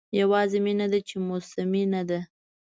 یوازې مینه ده چې موسمي نه ده.